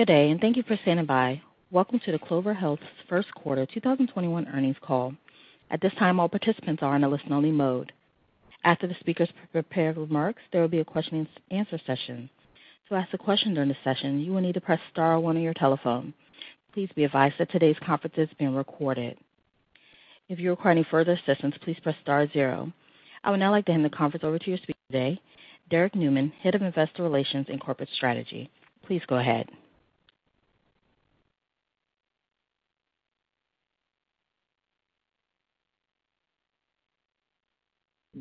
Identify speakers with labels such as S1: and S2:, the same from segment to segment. S1: Good day and thank you for standing by. Welcome to the Clover Health's first quarter 2021 earnings call. At this time all participants are in listen only mode. After the speakers prepared remarks, there will be a question and answer session. To ask a question during the session, you will need to press star one on your telephone. Please be advised that today's conference is being recorded. I will now hand the conference over to our speaker today, [Derek Newman], Head of Investor Relations and Corporate Strategy. Please go ahead.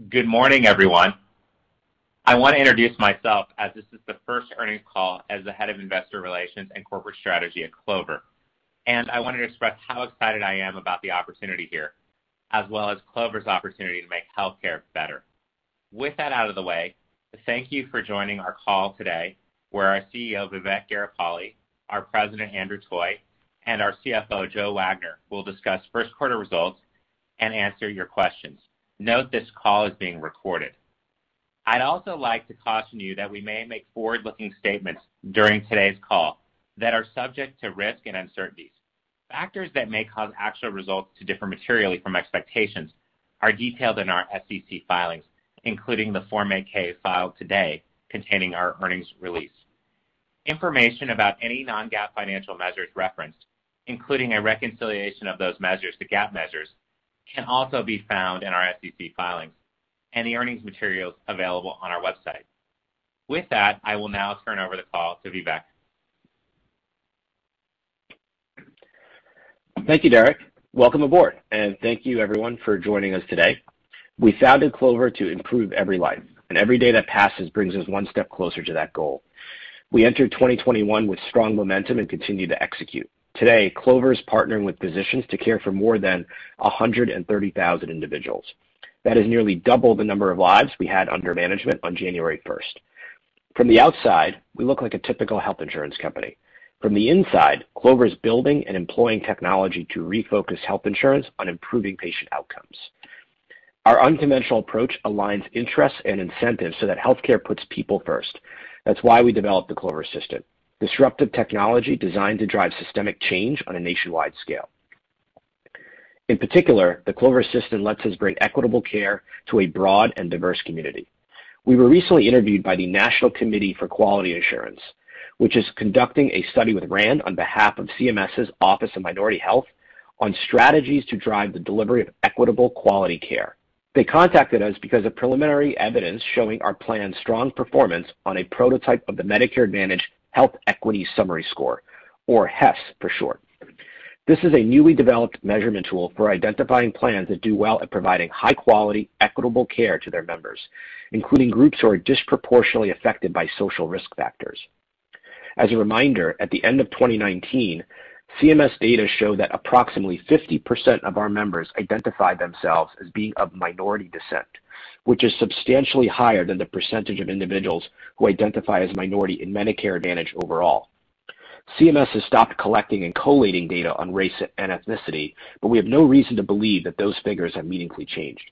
S2: Good morning, everyone. I want to introduce myself as this is the first earnings call as the Head of Investor Relations and Corporate Strategy at Clover. I want to express how excited I am about the opportunity here, as well as Clover's opportunity to make healthcare better. With that out of the way, thank you for joining our call today, where our CEO, Vivek Garipalli, our President, Andrew Toy, and our CFO, Joe Wagner, will discuss first quarter results and answer your questions. Note this call is being recorded. I'd also like to caution you that we may make forward-looking statements during today's call that are subject to risk and uncertainties. Factors that may cause actual results to differ materially from expectations are detailed in our SEC filings, including the 10-Q filed today containing our earnings release. Information about any non-GAAP financial measures referenced, including a reconciliation of those measures to GAAP measures, can also be found in our SEC filings and the earnings materials available on our website. With that, I will now turn over the call to Vivek.
S3: Thank you, Derek. Welcome aboard, and thank you, everyone, for joining us today. We founded Clover to improve every life, and every day that passes brings us one step closer to that goal. We entered 2021 with strong momentum and continue to execute. Today, Clover is partnering with physicians to care for more than 130,000 individuals. That is nearly double the number of lives we had under management on January 1st. From the outside, we look like a typical health insurance company. From the inside, Clover is building and employing technology to refocus health insurance on improving patient outcomes. Our unconventional approach aligns interests and incentives so that healthcare puts people first. That's why we developed the Clover system, disruptive technology designed to drive systemic change on a nationwide scale. In particular, the Clover system lets us bring equitable care to a broad and diverse community. We were recently interviewed by the National Committee for Quality Assurance, which is conducting a study with RAND Corporation on behalf of CMS's Office of Minority Health on strategies to drive the delivery of equitable quality care. They contacted us because of preliminary evidence showing our plan's strong performance on a prototype of the Medicare Advantage Health Equity Summary Score, or HESS for short. This is a newly developed measurement tool for identifying plans that do well at providing high-quality, equitable care to their members, including groups who are disproportionately affected by social risk factors. As a reminder, at the end of 2019, CMS data showed that approximately 50% of our members identified themselves as being of minority descent, which is substantially higher than the percentage of individuals who identify as minority in Medicare Advantage overall. CMS has stopped collecting and collating data on race and ethnicity. We have no reason to believe that those figures have meaningfully changed.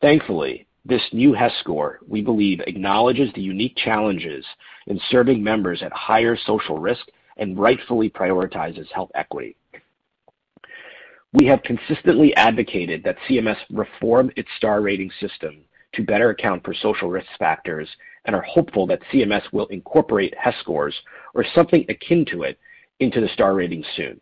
S3: Thankfully, this new HESS score, we believe, acknowledges the unique challenges in serving members at higher social risk and rightfully prioritizes health equity. We have consistently advocated that CMS reform its star rating system to better account for social risk factors and are hopeful that CMS will incorporate HESS scores or something akin to it into the star rating soon.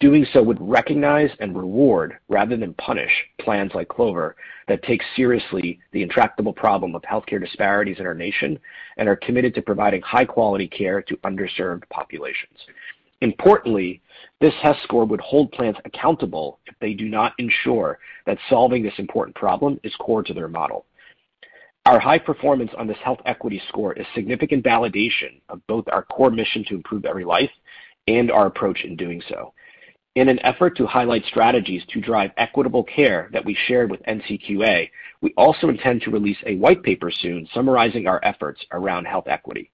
S3: Doing so would recognize and reward rather than punish plans like Clover that take seriously the intractable problem of healthcare disparities in our nation and are committed to providing high-quality care to underserved populations. Importantly, this HESS score would hold plans accountable if they do not ensure that solving this important problem is core to their model. Our high performance on this health equity score is significant validation of both our core mission to improve every life and our approach in doing so. In an effort to highlight strategies to drive equitable care that we shared with NCQA, we also intend to release a white paper soon summarizing our efforts around health equity.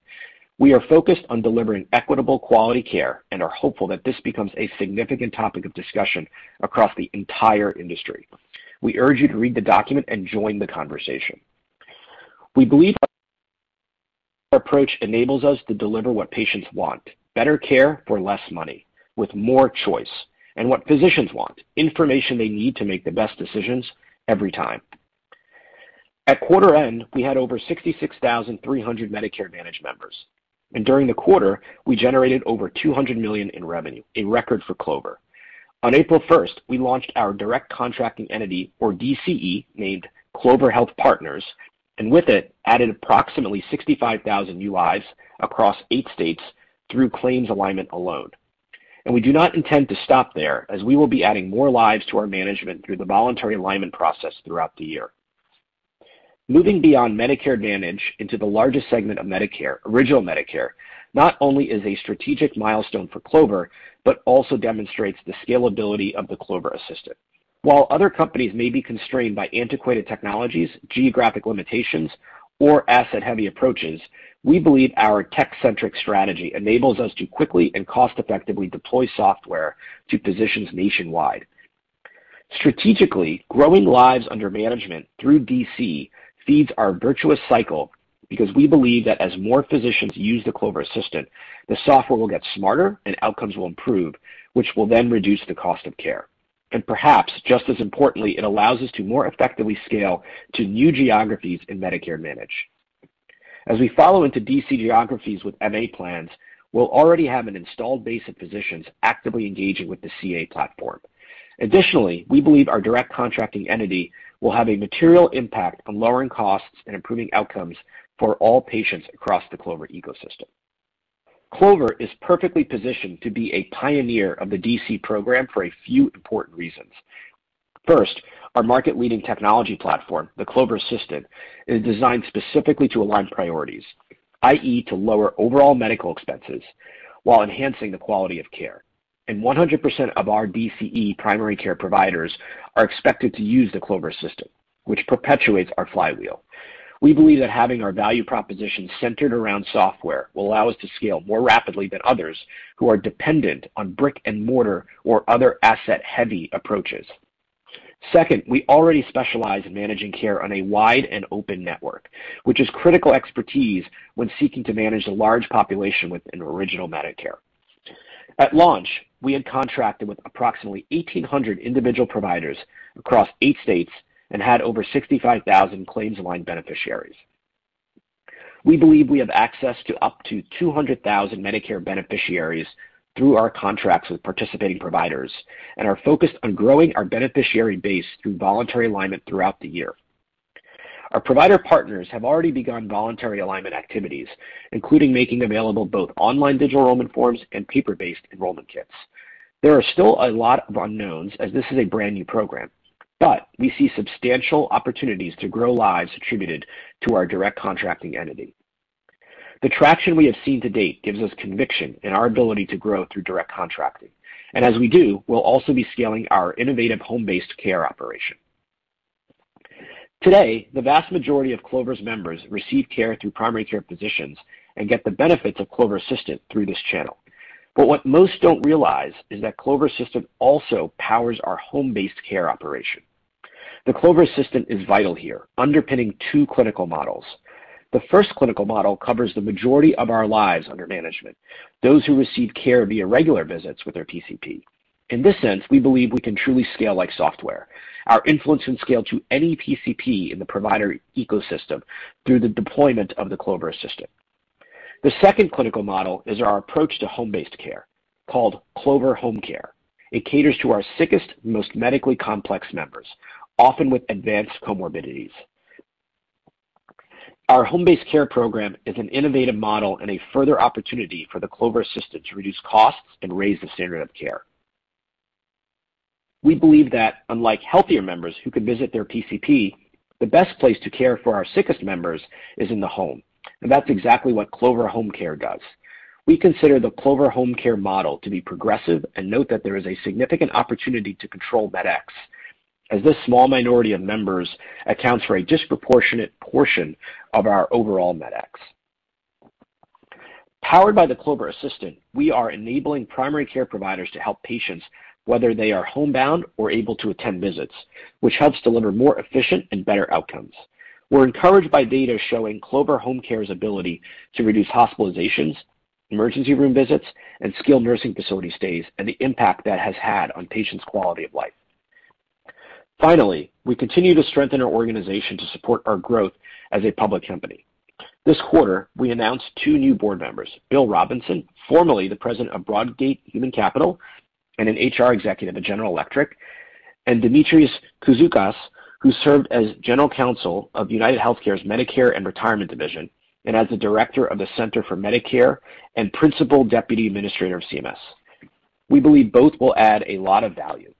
S3: We are focused on delivering equitable quality care and are hopeful that this becomes a significant topic of discussion across the entire industry. We urge you to read the document and join the conversation. We believe our approach enables us to deliver what patients want, better care for less money with more choice, and what physicians want, information they need to make the best decisions every time. At quarter end, we had over 66,300 Medicare Advantage members, and during the quarter, we generated over $200 million in revenue, a record for Clover. On April 1st, we launched our direct contracting entity or DCE named Clover Health Partners, and with it, added approximately 65,000 UIs across eight states through claims alignment alone. We do not intend to stop there as we will be adding more lives to our management through the voluntary alignment process throughout the year. Moving beyond Medicare Advantage into the largest segment of Medicare, original Medicare, not only is a strategic milestone for Clover, but also demonstrates the scalability of the Clover system. While other companies may be constrained by antiquated technologies, geographic limitations, or asset-heavy approaches, we believe our tech-centric strategy enables us to quickly and cost-effectively deploy software to physicians nationwide. Strategically, growing lives under management through DC feeds our virtuous cycle because we believe that as more physicians use the Clover system, the software will get smarter and outcomes will improve, which will then reduce the cost of care. Perhaps just as importantly, it allows us to more effectively scale to new geographies in Medicare Advantage. As we follow into DC geographies with MA plans, we'll already have an installed base of physicians actively engaging with the Clover Assistant platform. Additionally, we believe our direct contracting entity will have a material impact on lowering costs and improving outcomes for all patients across the Clover ecosystem. Clover is perfectly positioned to be a pioneer of the DC program for a few important reasons. First, our market-leading technology platform, the Clover system, is designed specifically to align priorities, i.e., to lower overall medical expenses while enhancing the quality of care. 100% of our DCE primary care providers are expected to use the Clover system, which perpetuates our flywheel. We believe that having our value proposition centered around software will allow us to scale more rapidly than others who are dependent on brick-and-mortar or other asset-heavy approaches. Second, we already specialize in managing care on a wide and open network, which is critical expertise when seeking to manage a large population within original Medicare. At launch, we had contracted with approximately 1,800 individual providers across eight states and had over 65,000 claims-aligned beneficiaries. We believe we have access to up to 200,000 Medicare beneficiaries through our contracts with participating providers and are focused on growing our beneficiary base through voluntary alignment throughout the year. Our provider partners have already begun voluntary alignment activities, including making available both online digital enrollment forms and paper-based enrollment kits. There are still a lot of unknowns, as this is a brand new program, but we see substantial opportunities to grow lives attributed to our Direct Contracting Entity. As we do, we'll also be scaling our innovative home-based care operation. Today, the vast majority of Clover's members receive care through primary care physicians and get the benefits of Clover Assistant through this channel. What most don't realize is that Clover Assistant also powers our home-based care operation. The Clover Assistant is vital here, underpinning two clinical models. The first clinical model covers the majority of our lives under management, those who receive care via regular visits with their PCP. In this sense, we believe we can truly scale like software, our influence and scale to any PCP in the provider ecosystem through the deployment of the Clover Assistant. The second clinical model is our approach to home-based care, called Clover Home Care. It caters to our sickest and most medically complex members, often with advanced comorbidities. Our home-based care program is an innovative model and a further opportunity for the Clover Assistant to reduce costs and raise the standard of care. We believe that unlike healthier members who can visit their PCP, the best place to care for our sickest members is in the home, and that's exactly what Clover Home Care does. We consider the Clover Home Care model to be progressive and note that there is a significant opportunity to control MedEx, as this small minority of members accounts for a disproportionate portion of our overall MedEx. Powered by the Clover Assistant, we are enabling primary care providers to help patients whether they are homebound or able to attend visits, which helps deliver more efficient and better outcomes. We're encouraged by data showing Clover Home Care's ability to reduce hospitalizations, emergency room visits, and skilled nursing facility stays, and the impact that has had on patients' quality of life. Finally, we continue to strengthen our organization to support our growth as a public company. This quarter, we announced two new board members, William Robinson, formerly the President of Broadgate Human Capital, LLC and an HR executive at General Electric, and Demetrios L. Kouzoukas, who served as General Counsel of UnitedHealthcare Medicare & Retirement and as the Director of the Center for Medicare and Principal Deputy Administrator of CMS. We believe both will add a lot of value.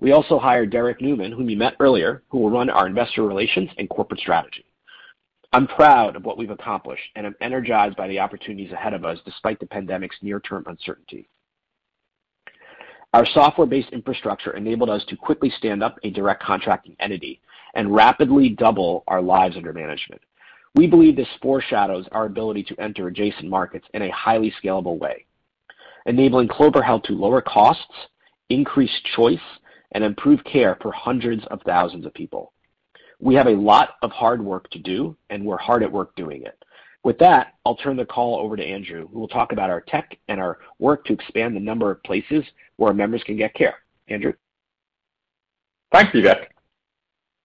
S3: We also hired Derek Newman, whom you met earlier, who will run our investor relations and corporate strategy. I'm proud of what we've accomplished and am energized by the opportunities ahead of us despite the pandemic's near-term uncertainty. Our software-based infrastructure enabled us to quickly stand up a direct contracting entity and rapidly double our lives under management. We believe this foreshadows our ability to enter adjacent markets in a highly scalable way, enabling Clover Health to lower costs, increase choice, and improve care for hundreds of thousands of people. We have a lot of hard work to do, and we're hard at work doing it. With that, I'll turn the call over to Andrew, who will talk about our tech and our work to expand the number of places where our members can get care. Andrew?
S4: Thanks, Vivek.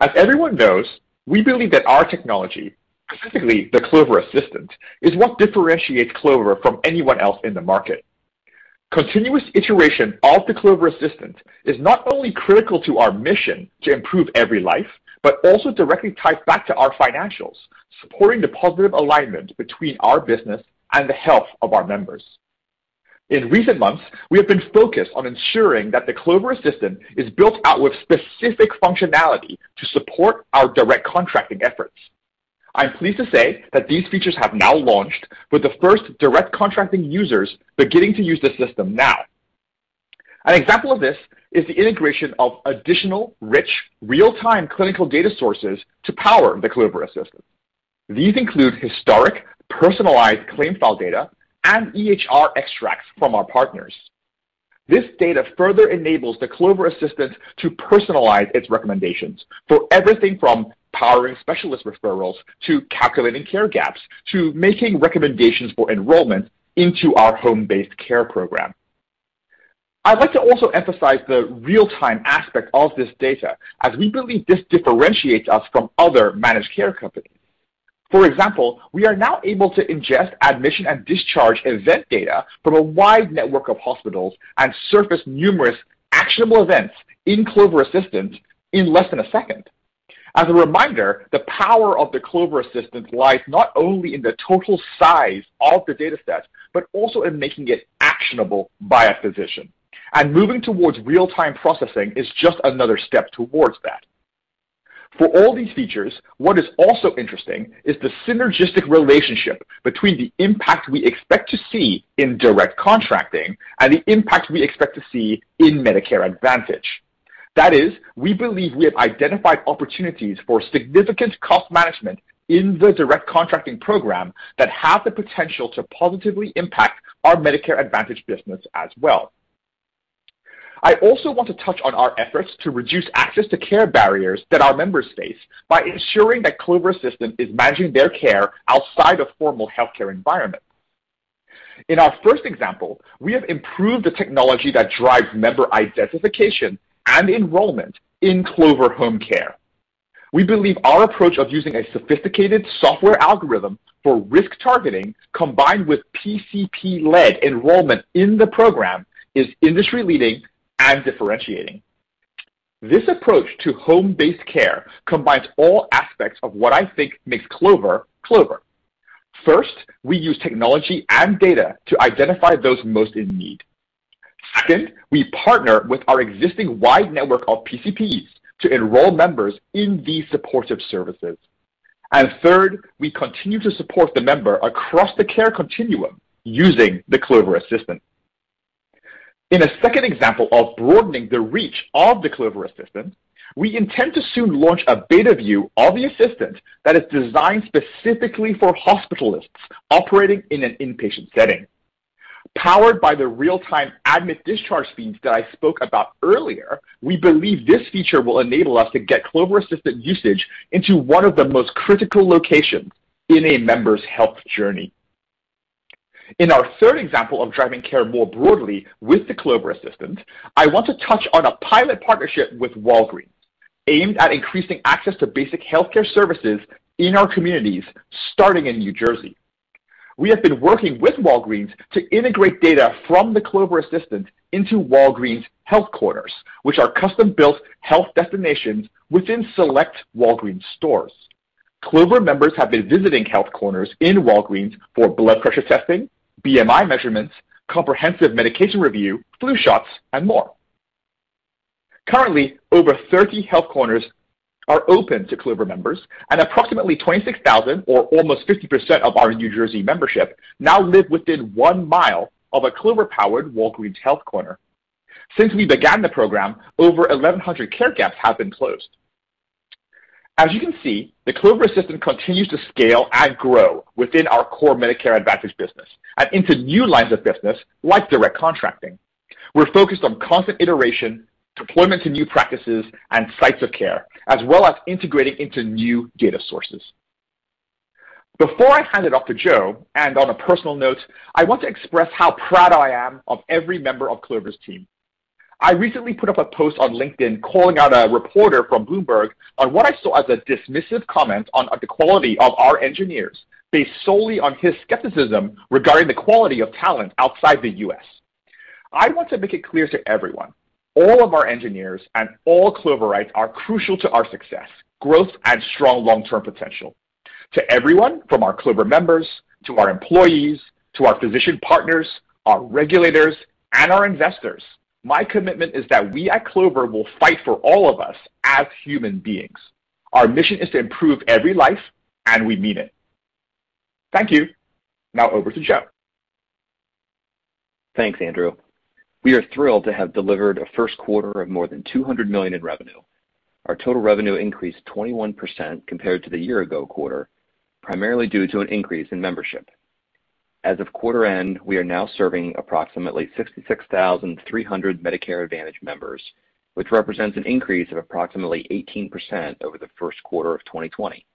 S4: As everyone knows, we believe that our technology, specifically the Clover Assistant, is what differentiates Clover from anyone else in the market. Continuous iteration of the Clover Assistant is not only critical to our mission to improve every life, but also directly ties back to our financials, supporting the positive alignment between our business and the health of our members. In recent months, we have been focused on ensuring that the Clover Assistant is built out with specific functionality to support our direct contracting efforts. I'm pleased to say that these features have now launched, with the first direct contracting users beginning to use the system now. An example of this is the integration of additional, rich, real-time clinical data sources to power the Clover Assistant. These include historic personalized claim file data and EHR extracts from our partners. This data further enables the Clover Assistant to personalize its recommendations for everything from powering specialist referrals, to calculating care gaps, to making recommendations for enrollment into our home-based care program. I'd like to also emphasize the real-time aspect of this data, as we believe this differentiates us from other managed care companies. For example, we are now able to ingest admission and discharge event data from a wide network of hospitals and surface numerous actionable events in Clover Assistant in less than a second. As a reminder, the power of the Clover Assistant lies not only in the total size of the data set, but also in making it actionable by a physician, and moving towards real-time processing is just another step towards that. For all these features, what is also interesting is the synergistic relationship between the impact we expect to see in direct contracting and the impact we expect to see in Medicare Advantage. That is, we believe we have identified opportunities for significant cost management in the direct contracting program that have the potential to positively impact our Medicare Advantage business as well. I also want to touch on our efforts to reduce access to care barriers that our members face by ensuring that Clover Assistant is managing their care outside of formal healthcare environments. In our first example, we have improved the technology that drives member identification and enrollment in Clover Home Care. We believe our approach of using a sophisticated software algorithm for risk targeting combined with PCP-led enrollment in the program is industry-leading and differentiating. This approach to home-based care combines all aspects of what I think makes Clover. First, we use technology and data to identify those most in need. Second, we partner with our existing wide network of PCPs to enroll members in these supportive services. Third, we continue to support the member across the care continuum using the Clover Assistant. In a second example of broadening the reach of the Clover Assistant, we intend to soon launch a beta view of the Assistant that is designed specifically for hospitalists operating in an inpatient setting. Powered by the real-time admit/discharge feeds that I spoke about earlier, we believe this feature will enable us to get Clover Assistant usage into one of the most critical locations in a member's health journey. In our third example of driving care more broadly with the Clover Assistant, I want to touch on a pilot partnership with Walgreens aimed at increasing access to basic healthcare services in our communities, starting in New Jersey. We have been working with Walgreens to integrate data from the Clover Assistant into Walgreens Health Corners, which are custom-built health destinations within select Walgreens stores. Clover members have been visiting Health Corners in Walgreens for blood pressure testing, BMI measurements, comprehensive medication review, flu shots, and more. Currently, over 30 Health Corners are open to Clover members, and approximately 26,000, or almost 50% of our New Jersey membership, now live within one mile of a Clover-powered Walgreens Health Corner. Since we began the program, over 1,100 care gaps have been closed. As you can see, the Clover Assistant continues to scale and grow within our core Medicare Advantage business and into new lines of business like direct contracting. We're focused on constant iteration, deployment to new practices, and sites of care, as well as integrating into new data sources. Before I hand it off to Joe, and on a personal note, I want to express how proud I am of every member of Clover's team. I recently put up a post on LinkedIn calling out a reporter from Bloomberg on what I saw as a dismissive comment on the quality of our engineers based solely on his skepticism regarding the quality of talent outside the U.S. I want to make it clear to everyone, all of our engineers and all Cloverites are crucial to our success, growth, and strong long-term potential. To everyone, from our Clover members, to our employees, to our physician partners, our regulators, and our investors, my commitment is that we at Clover will fight for all of us as human beings. Our mission is to improve every life, and we mean it. Thank you. Now over to Joe.
S5: Thanks, Andrew. We are thrilled to have delivered a first quarter of more than $200 million in revenue. Our total revenue increased 21% compared to the year ago quarter, primarily due to an increase in membership. As of quarter end, we are now serving approximately 66,300 Medicare Advantage members, which represents an increase of approximately 18% over the first quarter of 2020.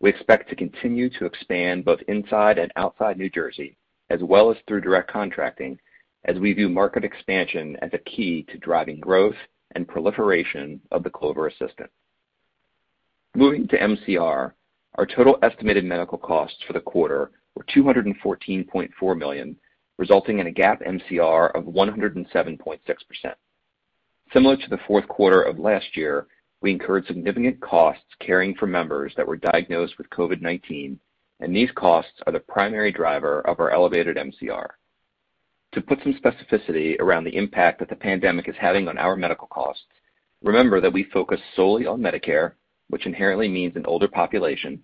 S5: We expect to continue to expand both inside and outside New Jersey, as well as through direct contracting, as we view market expansion as a key to driving growth and proliferation of the Clover Assistant. Moving to MCR, our total estimated medical costs for the quarter were $214.4 million, resulting in a GAAP MCR of 107.6%. Similar to the fourth quarter of last year, we incurred significant costs caring for members that were diagnosed with COVID-19, and these costs are the primary driver of our elevated MCR. To put some specificity around the impact that the pandemic is having on our medical costs, remember that we focus solely on Medicare, which inherently means an older population,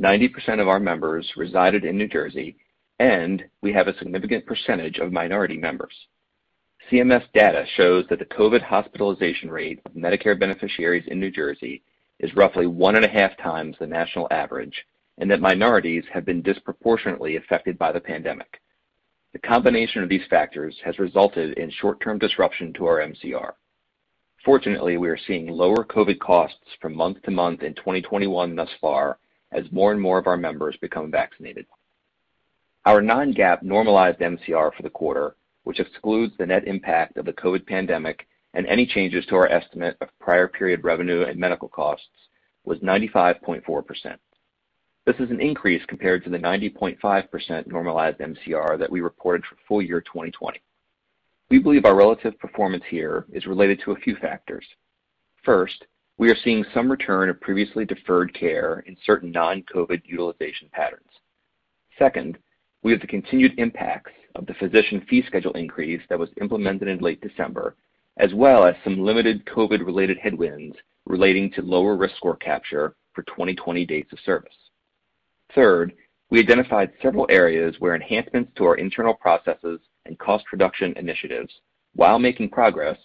S5: 90% of our members resided in New Jersey, and we have a significant percentage of minority members. CMS data shows that the COVID hospitalization rate of Medicare beneficiaries in New Jersey is roughly one and a half times the national average, and that minorities have been disproportionately affected by the pandemic. The combination of these factors has resulted in short-term disruption to our MCR. Fortunately, we are seeing lower COVID costs from month-over-month in 2021 thus far, as more and more of our members become vaccinated. Our non-GAAP normalized MCR for the quarter, which excludes the net impact of the COVID pandemic and any changes to our estimate of prior period revenue and medical costs, was 95.4%. This is an increase compared to the 90.5% normalized MCR that we reported for full year 2020. We believe our relative performance here is related to a few factors. First, we are seeing some return of previously deferred care in certain non-COVID utilization patterns. Second, we have the continued impacts of the physician fee schedule increase that was implemented in late December, as well as some limited COVID-related headwinds relating to lower risk score capture for 2020 dates of service. Third, we identified several areas where enhancements to our internal processes and cost reduction initiatives, while making progress,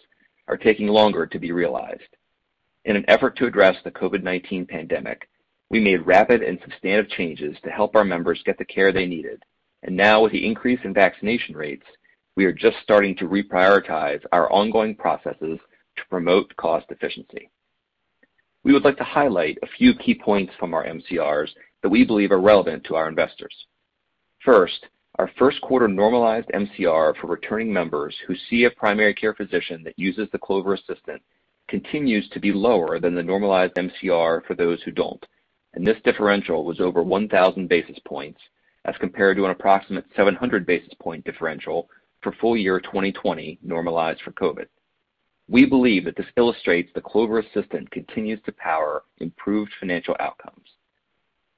S5: are taking longer to be realized. In an effort to address the COVID-19 pandemic, we made rapid and substantive changes to help our members get the care they needed, and now with the increase in vaccination rates, we are just starting to reprioritize our ongoing processes to promote cost efficiency. We would like to highlight a few key points from our MCRs that we believe are relevant to our investors. First, our first quarter normalized MCR for returning members who see a primary care physician that uses the Clover Assistant continues to be lower than the normalized MCR for those who don't, and this differential was over 1,000 basis points as compared to an approximate 700 basis point differential for full year 2020 normalized for COVID. We believe that this illustrates the Clover Assistant continues to power improved financial outcomes.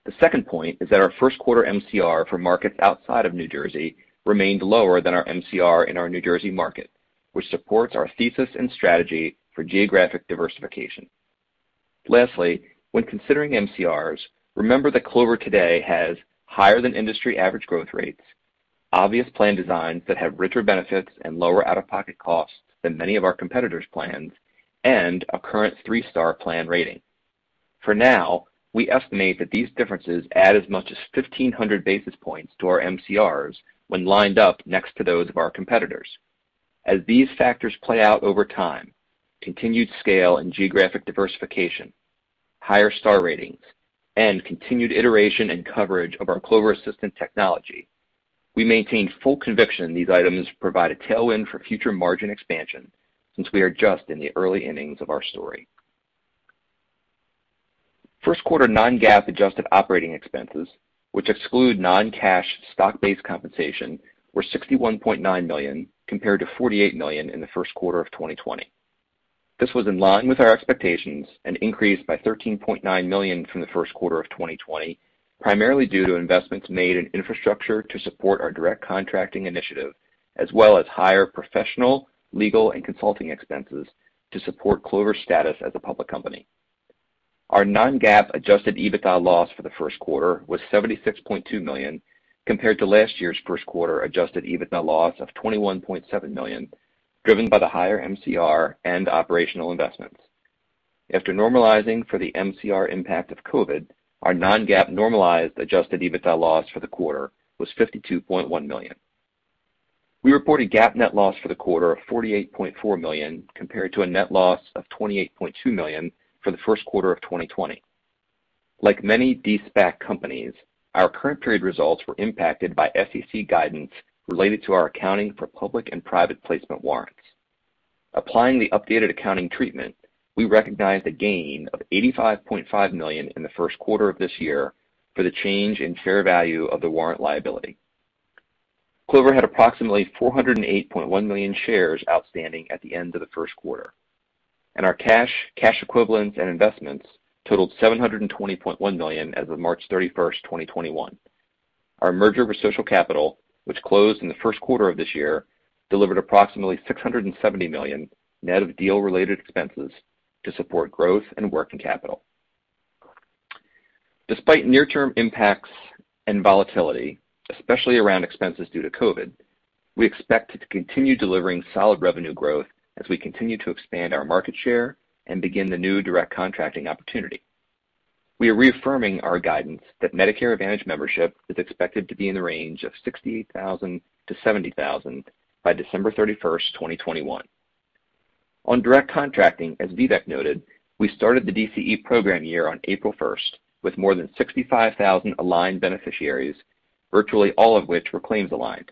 S5: The second point is that our first quarter MCR for markets outside of New Jersey remained lower than our MCR in our New Jersey market, which supports our thesis and strategy for geographic diversification. Lastly, when considering MCRs, remember that Clover today has higher than industry average growth rates, obvious plan designs that have richer benefits and lower out-of-pocket costs than many of our competitors' plans, and a current three-star plan rating. For now, we estimate that these differences add as much as 1,500 basis points to our MCRs when lined up next to those of our competitors. As these factors play out over time, continued scale and geographic diversification, higher star ratings, and continued iteration and coverage of our Clover Assistant technology, we maintain full conviction that these items provide a tailwind for future margin expansion, since we are just in the early innings of our story. First quarter non-GAAP adjusted operating expenses, which exclude non-cash stock-based compensation, were $61.9 million, compared to $48 million in the first quarter of 2020. This was in line with our expectations, an increase by $13.9 million from the first quarter of 2020, primarily due to investments made in infrastructure to support our direct contracting initiative, as well as higher professional, legal, and consulting expenses to support Clover's status as a public company. Our non-GAAP adjusted EBITDA loss for the first quarter was $76.2 million, compared to last year's first quarter adjusted EBITDA loss of $21.7 million, driven by the higher MCR and operational investments. After normalizing for the MCR impact of COVID, our non-GAAP normalized adjusted EBITDA loss for the quarter was $52.1 million. We reported GAAP net loss for the quarter of $48.4 million, compared to a net loss of $28.2 million for the first quarter of 2020. Like many de-SPAC companies, our current period results were impacted by SEC guidance related to our accounting for public and private placement warrants. Applying the updated accounting treatment, we recognized a gain of $85.5 million in the first quarter of this year for the change in fair value of the warrant liability. Clover had approximately 408.1 million shares outstanding at the end of the first quarter, and our cash equivalents, and investments totaled $720.1 million as of March 31st, 2021. Our merger with Social Capital, which closed in the first quarter of this year, delivered approximately $670 million net of deal-related expenses to support growth and working capital. Despite near-term impacts and volatility, especially around expenses due to COVID, we expect to continue delivering solid revenue growth as we continue to expand our market share and begin the new direct contracting opportunity. We are reaffirming our guidance that Medicare Advantage membership is expected to be in the range of 68,000-70,000 by December 31st, 2021. On direct contracting, as Vivek noted, we started the DCE program year on April 1st, with more than 65,000 aligned beneficiaries, virtually all of which were claims aligned.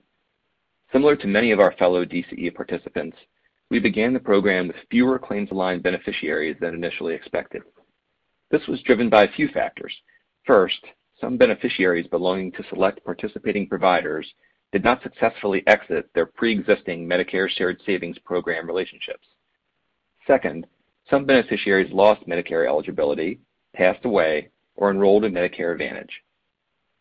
S5: Similar to many of our fellow DCE participants, we began the program with fewer claims aligned beneficiaries than initially expected. This was driven by a few factors. First, some beneficiaries belonging to select participating providers did not successfully exit their pre-existing Medicare Shared Savings Program relationships. Second, some beneficiaries lost Medicare eligibility, passed away, or enrolled in Medicare Advantage.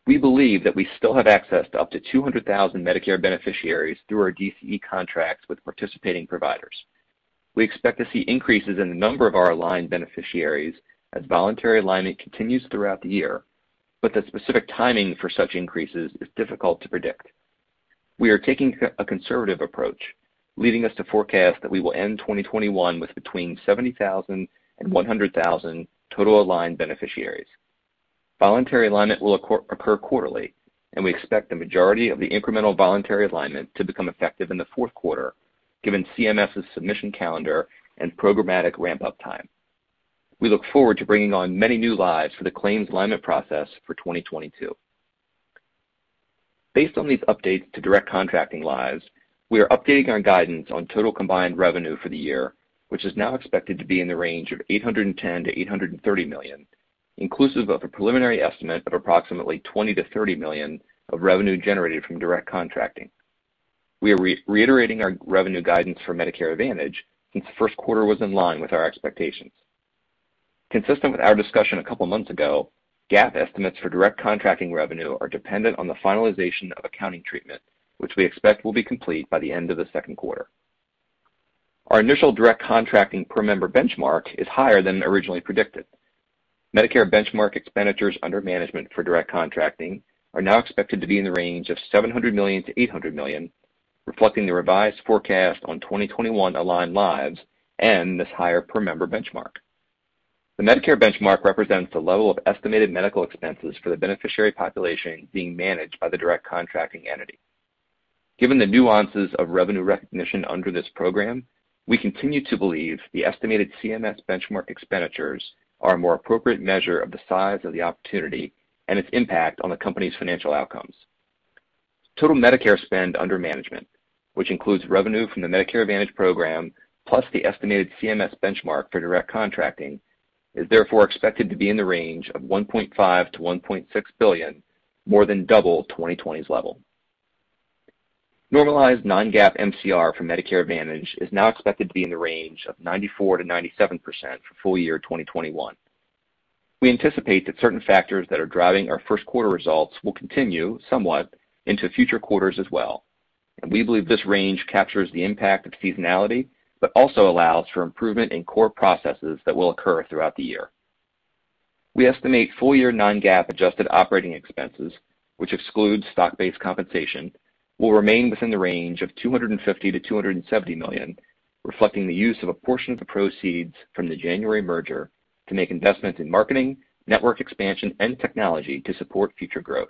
S5: We believe that we still have access to up to 200,000 Medicare beneficiaries through our DCE contracts with participating providers. We expect to see increases in the number of our aligned beneficiaries as voluntary alignment continues throughout the year, but the specific timing for such increases is difficult to predict. We are taking a conservative approach, leading us to forecast that we will end 2021 with between 70,000 and 100,000 total aligned beneficiaries. Voluntary alignment will occur quarterly, and we expect the majority of the incremental voluntary alignment to become effective in the fourth quarter, given CMS's submission calendar and programmatic ramp-up time. We look forward to bringing on many new lives for the claims alignment process for 2022. Based on these updates to direct contracting lives, we are updating our guidance on total combined revenue for the year, which is now expected to be in the range of $810 to $830 million, inclusive of a preliminary estimate of approximately $20 to $30 million of revenue generated from direct contracting. We are reiterating our revenue guidance for Medicare Advantage since the first quarter was in line with our expectations. Consistent with our discussion a couple of months ago, GAAP estimates for direct contracting revenue are dependent on the finalization of accounting treatment, which we expect will be complete by the end of the second quarter. Our initial direct contracting per member benchmark is higher than originally predicted. Medicare benchmark expenditures under management for direct contracting are now expected to be in the range of $700 million-$800 million, reflecting the revised forecast on 2021 aligned lives and this higher per member benchmark. The Medicare benchmark represents the level of estimated medical expenses for the beneficiary population being managed by the direct contracting entity. Given the nuances of revenue recognition under this program, we continue to believe the estimated CMS benchmark expenditures are a more appropriate measure of the size of the opportunity and its impact on the company's financial outcomes. Total Medicare spend under management, which includes revenue from the Medicare Advantage program, plus the estimated CMS benchmark for direct contracting, is therefore expected to be in the range of $1.5 billion-$1.6 billion, more than double 2020's level. Normalized non-GAAP MCR for Medicare Advantage is now expected to be in the range of 94%-97% for full year 2021. We anticipate that certain factors that are driving our first quarter results will continue somewhat into future quarters as well, and we believe this range captures the impact of seasonality, but also allows for improvement in core processes that will occur throughout the year. We estimate full-year non-GAAP adjusted operating expenses, which excludes stock-based compensation, will remain within the range of $250 million-$270 million, reflecting the use of a portion of the proceeds from the January merger to make investments in marketing, network expansion, and technology to support future growth.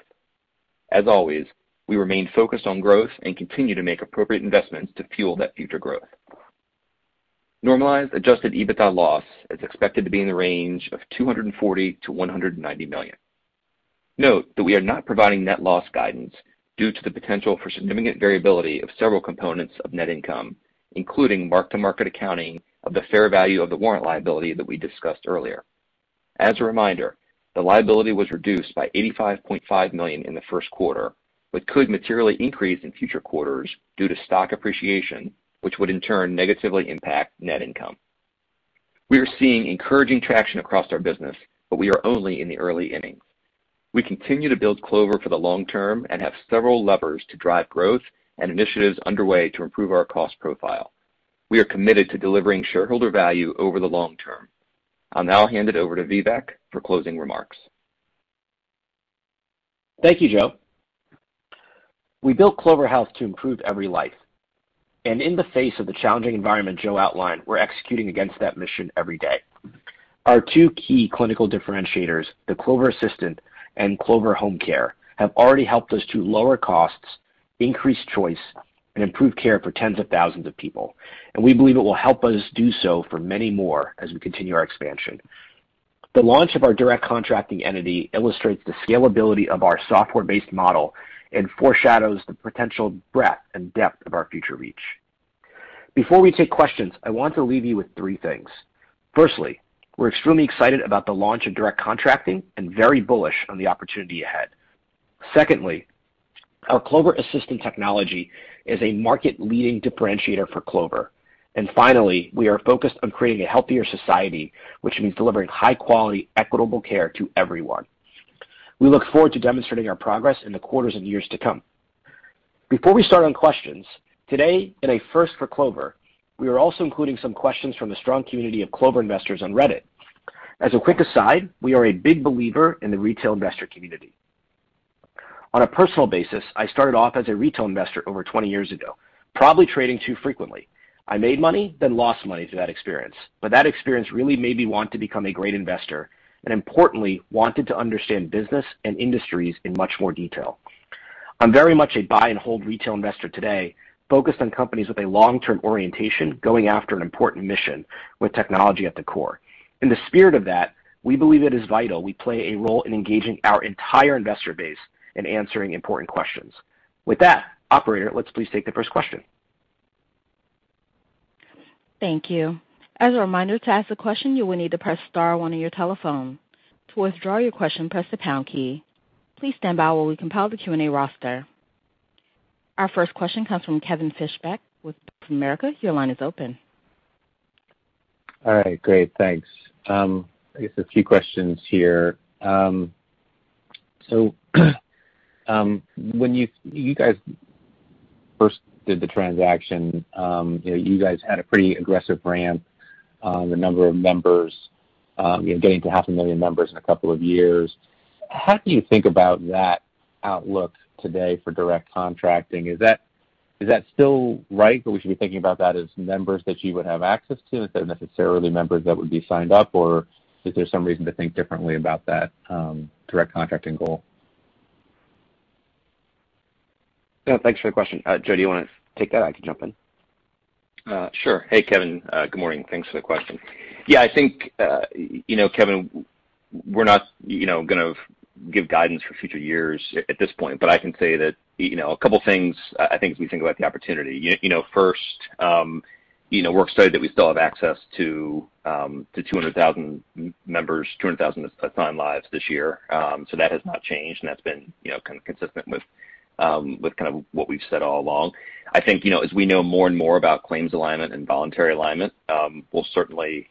S5: As always, we remain focused on growth and continue to make appropriate investments to fuel that future growth. Normalized adjusted EBITDA loss is expected to be in the range of $240 million-$190 million. Note that we are not providing net loss guidance due to the potential for significant variability of several components of net income, including mark-to-market accounting of the fair value of the warrant liability that we discussed earlier. As a reminder, the liability was reduced by $85.5 million in the first quarter, but could materially increase in future quarters due to stock appreciation, which would in turn negatively impact net income. We are seeing encouraging traction across our business, but we are only in the early innings. We continue to build Clover for the long term and have several levers to drive growth and initiatives underway to improve our cost profile. We are committed to delivering shareholder value over the long term. I'll now hand it over to Vivek for closing remarks.
S3: Thank you, Joe. We built Clover Health to improve every life, and in the face of the challenging environment Joe outlined, we're executing against that mission every day. Our two key clinical differentiators, the Clover Assistant and Clover Home Care, have already helped us to lower costs, increase choice, and improve care for tens of thousands of people. We believe it will help us do so for many more as we continue our expansion. The launch of our Direct Contracting Entity illustrates the scalability of our software-based model and foreshadows the potential breadth and depth of our future reach. Before we take questions, I want to leave you with three things. Firstly, we're extremely excited about the launch of direct contracting and very bullish on the opportunity ahead. Secondly, our Clover Assistant technology is a market-leading differentiator for Clover. Finally, we are focused on creating a healthier society, which means delivering high-quality, equitable care to everyone. We look forward to demonstrating our progress in the quarters and years to come. Before we start on questions, today, in a first for Clover, we are also including some questions from the strong community of Clover investors on Reddit. As a quick aside, we are a big believer in the retail investor community. On a personal basis, I started off as a retail investor over 20 years ago, probably trading too frequently. I made money, then lost money through that experience. That experience really made me want to become a great investor and importantly, wanted to understand business and industries in much more detail. I'm very much a buy and hold retail investor today, focused on companies with a long-term orientation, going after an important mission with technology at the core. In the spirit of that, we believe it is vital we play a role in engaging our entire investor base in answering important questions. With that, operator, let's please take the first question.
S1: Thank you. As a reminder, to ask a question, you will need to press star one on your telephone. To withdraw your question, press the pound key. Please stand by while we compile the Q&A roster. Our first question comes from Kevin Fischbeck with Bank of America. Your line is open.
S6: All right. Great. Thanks. I guess a few questions here. When you guys first did the transaction, you guys had a pretty aggressive ramp on the number of members, getting to half a million members in a couple of years. How do you think about that outlook today for direct contracting? Is that still right, that we should be thinking about that as members that you would have access to, if they're necessarily members that would be signed up, or is there some reason to think differently about that direct contracting goal?
S3: Yeah. Thanks for the question. Joe, do you want to take that? I can jump in.
S5: Sure. Hey, Kevin. Good morning. Thanks for the question. I think, Kevin, we're not going to give guidance for future years at this point, but I can say that a couple of things, as we think about the opportunity. First, we're excited that we still have access to 200,000 members, 200,000 assigned lives this year. That has not changed, and that's been kind of consistent with kind of what we've said all along. I think, as we know more and more about claims alignment and voluntary alignment, we'll certainly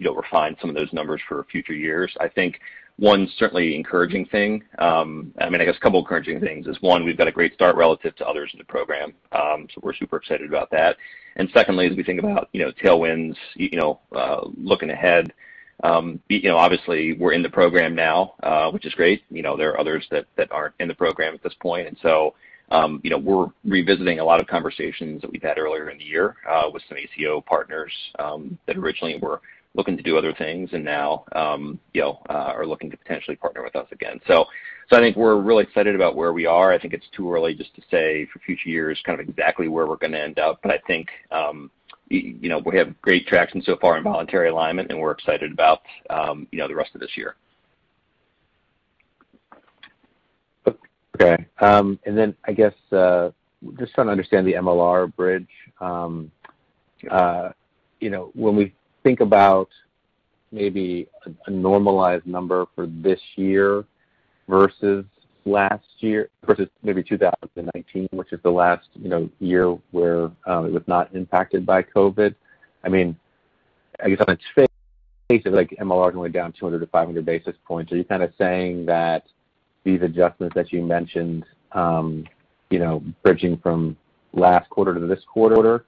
S5: refine some of those numbers for future years. I think one certainly encouraging thing, I guess a couple of encouraging things, is, one, we've got a great start relative to others in the program, so we're super excited about that. Secondly, as we think about tailwinds, looking ahead, obviously we're in the program now, which is great. There are others that aren't in the program at this point. We're revisiting a lot of conversations that we've had earlier in the year with some ACO partners that originally were looking to do other things and now are looking to potentially partner with us again. I think we're really excited about where we are. I think it's too early just to say for future years kind of exactly where we're going to end up. I think we have great traction so far in voluntary alignment, and we're excited about the rest of this year.
S6: Okay. I guess, just trying to understand the MLR bridge. When we think about maybe a normalized number for this year versus last year, versus maybe 2019, which is the last year where it was not impacted by COVID, on its face, it's like MLR is only down 200 to 500 basis points. Are you kind of saying that these adjustments that you mentioned, bridging from last quarter to this quarter,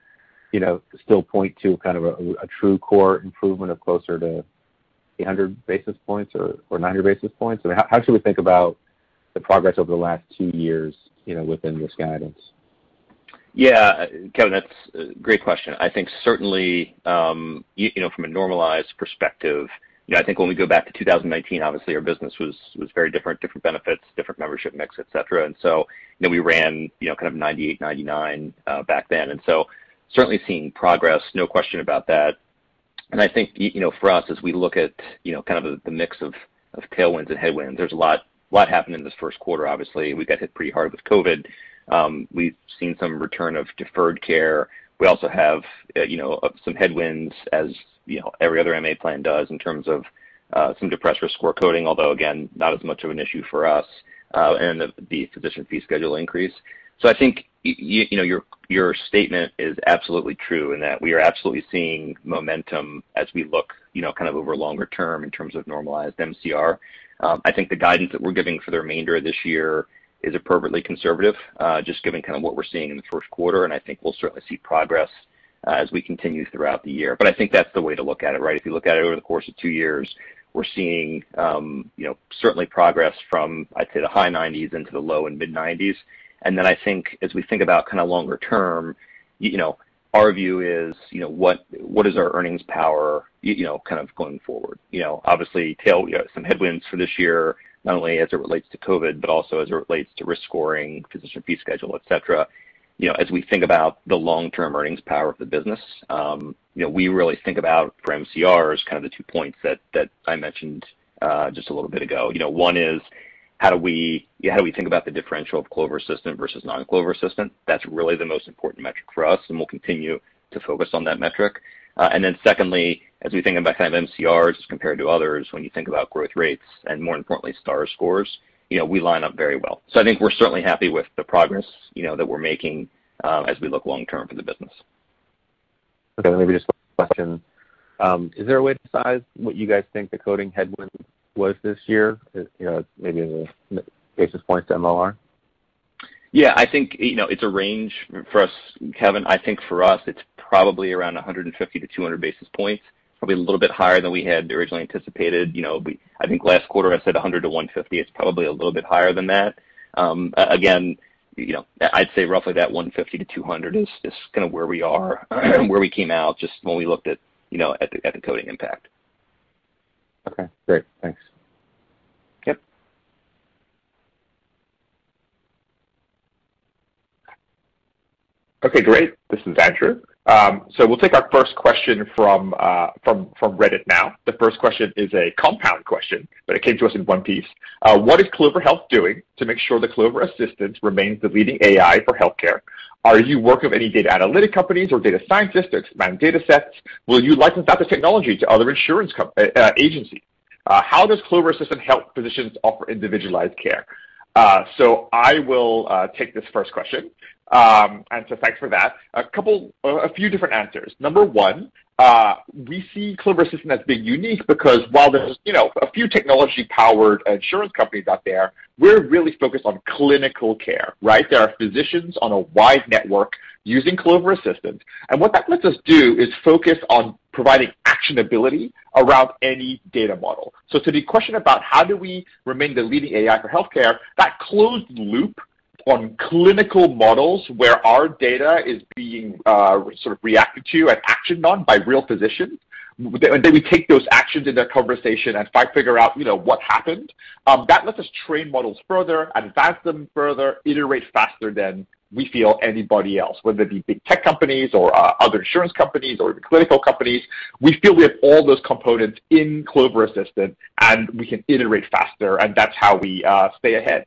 S6: still point to kind of a true core improvement of closer to 300 basis points or 90 basis points? How should we think about the progress over the last two years within this guidance?
S5: Kevin, that's a great question. I think certainly, from a normalized perspective, I think when we go back to 2019, obviously our business was very different benefits, different membership mix, et cetera. We ran kind of 98%, 99% back then. Certainly seeing progress, no question about that. I think for us, as we look at kind of the mix of tailwinds and headwinds, there's a lot happened in this first quarter, obviously. We got hit pretty hard with COVID. We've seen some return of deferred care. We also have some headwinds as every other MA plan does in terms of some depressed risk score coding, although, again, not as much of an issue for us, and the physician fee schedule increase. I think your statement is absolutely true in that we are absolutely seeing momentum as we look kind of over longer term in terms of normalized MCR. I think the guidance that we're giving for the remainder of this year is appropriately conservative, just given kind of what we're seeing in the first quarter, and I think we'll certainly see progress as we continue throughout the year. I think that's the way to look at it, right? If you look at it over the course of two years, we're seeing certainly progress from, I'd say, the high 90s into the low and mid-90s. I think as we think about kind of longer term, our view is what is our earnings power kind of going forward? Some headwinds for this year, not only as it relates to COVID, but also as it relates to risk scoring, physician fee schedule, et cetera. As we think about the long-term earnings power of the business, we really think about, for MCR, as kind of the two points that I mentioned just a little bit ago. One is, how do we think about the differential of Clover Assistant versus non-Clover Assistant? That's really the most important metric for us, and we'll continue to focus on that metric. Then secondly, as we think about kind of MCRs compared to others, when you think about growth rates and more importantly, Star Scores, we line up very well. I think we're certainly happy with the progress that we're making as we look long term for the business.
S6: Okay, let me just ask a question. Is there a way to size what you guys think the coding headwind was this year? Maybe in basis points to MLR?
S5: Yeah, I think it's a range for us, Kevin. I think for us, it's probably around 150-200 basis points. Probably a little bit higher than we had originally anticipated. I think last quarter I said 100-150. It's probably a little bit higher than that. I'd say roughly that 150-200 is kind of where we are and where we came out just when we looked at the coding impact.
S6: Okay, great. Thanks.
S5: Yep.
S4: Okay, great. This is Andrew. We'll take our first question from Reddit now. The first question is a compound question, but it came to us in one piece. What is Clover Health doing to make sure that Clover Assistant remains the leading AI for healthcare? Are you working with any data analytic companies or data scientists to expand datasets? Will you license out the technology to other insurance agencies? How does Clover Assistant help physicians offer individualized care? I will take this first question. Thanks for that. A few different answers. Number one, we see Clover Assistant as being unique because while there's a few technology-powered insurance companies out there, we're really focused on clinical care, right? There are physicians on a wide network using Clover Assistant, and what that lets us do is focus on providing actionability around any data model. To the question about how do we remain the leading AI for healthcare, that closed loop on clinical models where our data is being sort of reacted to and actioned on by real physicians, and then we take those actions in that conversation and try to figure out what happened, that lets us train models further, advance them further, iterate faster than we feel anybody else, whether it be big tech companies or other insurance companies or clinical companies. We feel we have all those components in Clover Assistant, and we can iterate faster, and that's how we stay ahead.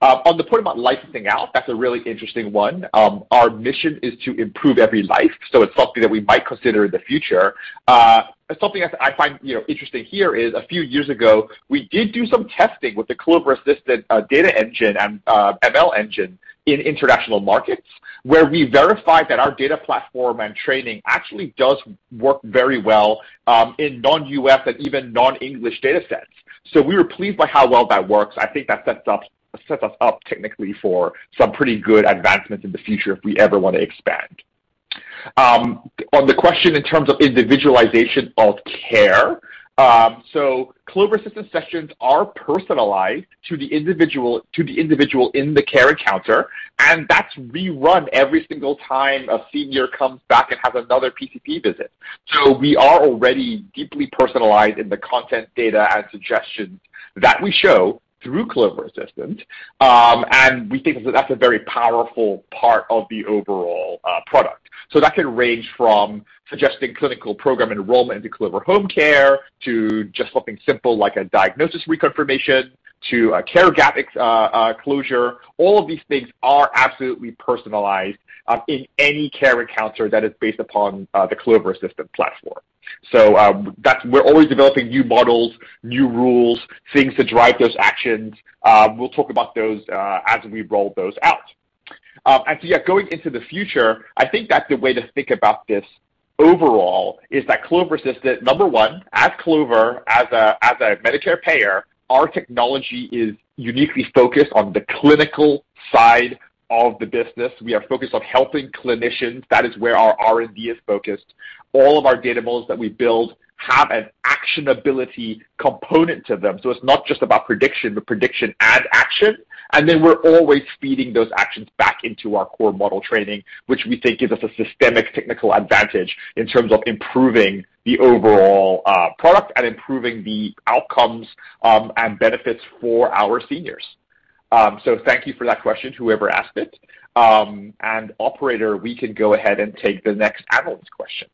S4: On the point about licensing out, that's a really interesting one. Our mission is to improve every life, It's something that we might consider in the future. Something I find interesting here is a few years ago, we did do some testing with the Clover Assistant data engine and ML engine in international markets, where we verified that our data platform and training actually does work very well in non-U.S. and even non-English data sets. We were pleased by how well that works, and I think that sets us up technically for some pretty good advancements in the future if we ever want to expand. On the question in terms of individualization of care, Clover Assistant sessions are personalized to the individual in the care encounter, and that's rerun every single time a senior comes back and has another PCP visit. We are already deeply personalized in the content data and suggestions that we show through Clover Assistant, and we think that that's a very powerful part of the overall product. That can range from suggesting clinical program enrollment into Clover Home Care to just something simple like a diagnosis reconfirmation to a care gap closure. All of these things are absolutely personalized in any care encounter that is based upon the Clover Assistant platform. We're always developing new models, new rules, things to drive those actions. We'll talk about those as we roll those out. Yeah, going into the future, I think that the way to think about this overall is that Clover Assistant, number one, at Clover, as a Medicare payer, our technology is uniquely focused on the clinical side of the business. We are focused on helping clinicians. That is where our R&D is focused. All of our data models that we build have an actionability component to them. It's not just about prediction, but prediction and action. We're always feeding those actions back into our core model training, which we think gives us a systemic technical advantage in terms of improving the overall product and improving the outcomes, and benefits for our seniors. Thank you for that question, whoever asked it. Operator, we can go ahead and take the next analyst question.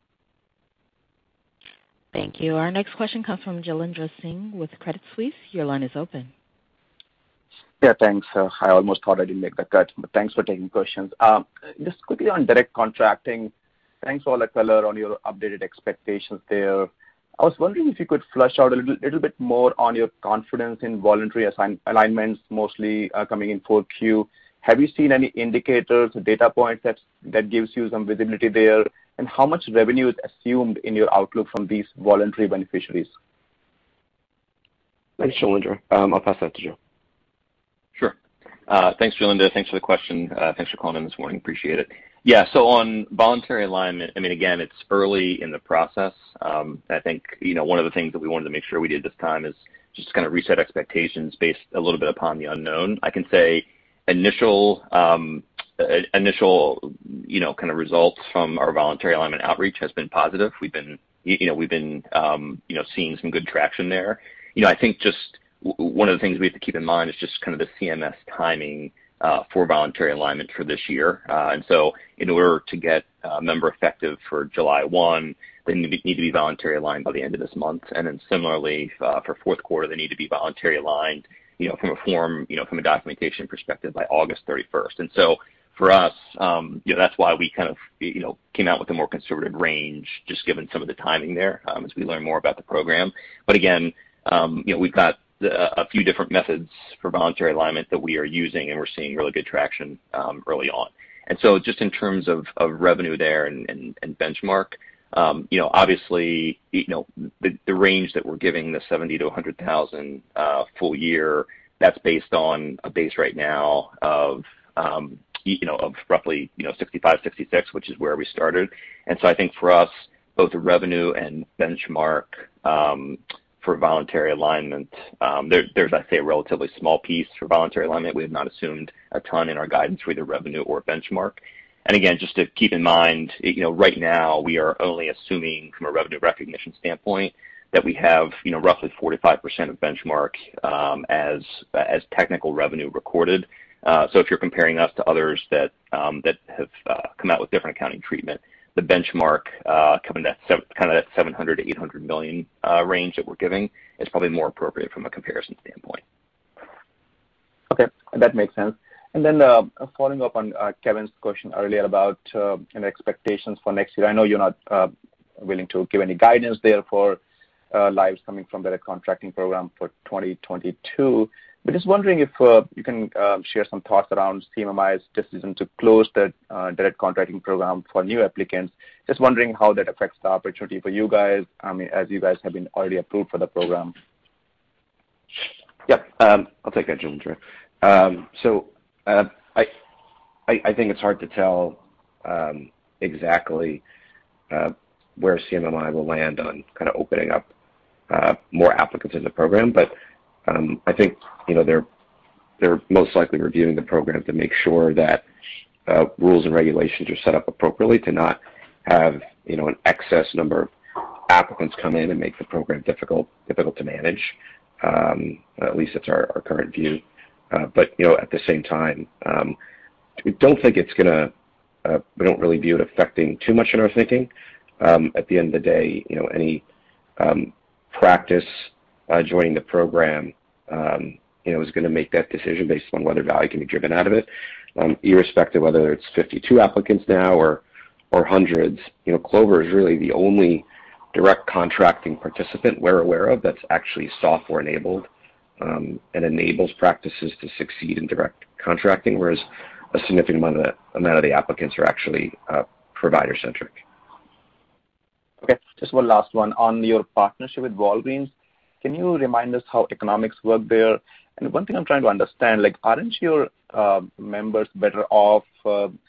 S1: Thank you. Our next question comes from Jailendra Singh with Credit Suisse. Your line is open.
S7: Yeah, thanks. I almost thought I didn't make the cut, but thanks for taking questions. This could be on direct contracting. Thanks for the color, on your updated expectations there. I was wondering if you could flesh out a little bit more on your confidence in voluntary alignments mostly coming in 4Q. Have you seen any indicators or data points that gives you some visibility there? How much revenue is assumed in your outlook from these voluntary beneficiaries?
S4: Thanks, Jailendra. I'll pass that to Joe.
S5: Sure. Thanks, Jailendra. Thanks for the question. Thanks for calling this morning. Appreciate it. On voluntary alignment, again, it's early in the process. I think one of the things that we wanted to make sure we did this time is just reset expectations based a little bit upon the unknown. I can say initial results from our voluntary alignment outreach has been positive. We've been seeing some good traction there. I think one of the things we have to keep in mind is the CMS timing for voluntary alignment for this year. In order to get a member effective for July 1, they need to be voluntary aligned by the end of this month. Similarly for fourth quarter, they need to be voluntary aligned from a form, from a documentation perspective by August 31st. For us, that's why we kind of came out with a more conservative range, just given some of the timing there as we learn more about the program. Again, we've got a few different methods for voluntary alignment that we are using, and we're seeing really good traction early on. Just in terms of revenue there and benchmark, obviously, the range that we're giving, the 70,000-100,000 full year, that's based on a base right now of roughly 65, 66, which is where we started. I think for us, both the revenue and benchmark for voluntary alignment, there's, I'd say, a relatively small piece for voluntary alignment. We have not assumed a ton in our guidance for either revenue or benchmark. Again, just to keep in mind, right now we are only assuming from a revenue recognition standpoint that we have roughly 45% of benchmark as technical revenue recorded. If you're comparing us to others that have come out with different accounting treatment, the benchmark coming at kind of that $700 million-$800 million range that we're giving is probably more appropriate from a comparison standpoint.
S7: Okay. That makes sense. Then following up on Kevin's question earlier about expectations for next year, I know you're not. Willing to give any guidance there for lives coming from the direct contracting program for 2022. Just wondering if you can share some thoughts around CMMI's decision to close that direct contracting program for new applicants. Just wondering how that affects the opportunity for you guys, as you guys have been already approved for the program.
S4: Yeah. I'll take that, Andrew. I think it's hard to tell exactly where CMMI will land on opening up more applicants in the program. I think they're most likely reviewing the program to make sure that rules and regulations are set up appropriately to not have an excess number of applicants come in and make the program difficult to manage. At least that's our current view. At the same time, we don't really view it affecting too much of our thinking. At the end of the day, any practice joining the program is going to make that decision based on whether value can be driven out of it, irrespective whether it's 52 applicants now or hundreds. Clover is really the only direct contracting participant we're aware of that's actually software enabled, and enables practices to succeed in direct contracting, whereas a significant amount of the applicants are actually provider centric.
S7: Okay, just one last one. On your partnership with Walgreens, can you remind us how economics work there? One thing I'm trying to understand, aren't your members better off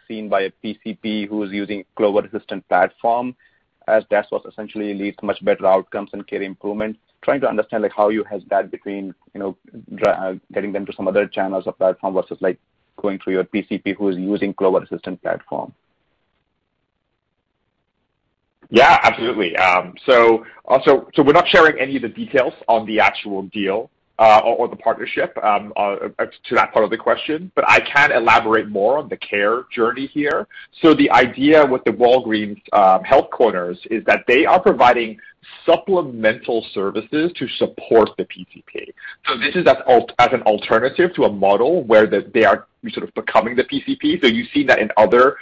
S7: seen by a PCP who's using Clover Assistant platform, as that's what essentially leads to much better outcomes and care improvements? Trying to understand how you hedge that between getting them to some other channels of platform versus going through your PCP who is using Clover Assistant platform.
S4: Yeah, absolutely. We're not sharing any of the details on the actual deal or the partnership to that part of the question, but I can elaborate more on the care journey here. The idea with the Walgreens Health Corners is that they are providing supplemental services to support the PCP. This is as an alternative to a model where they are sort of becoming the PCP. You've seen that in other